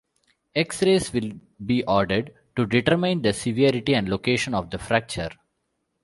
X-rays will be ordered to determine the severity and location of the fracture.